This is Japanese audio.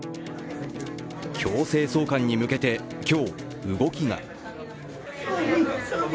強制送還に向けて今日動きが。